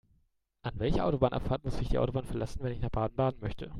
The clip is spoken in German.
An welcher Autobahnabfahrt muss ich die Autobahn verlassen, wenn ich nach Baden-Baden möchte?